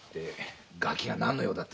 ガキが何の用で？